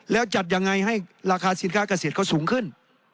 แล้วจัดยังไงให้ราคาสินค้าเกษตรเขาสูงขึ้น